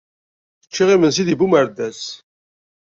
Ččiɣ imensi deg Bumerdas.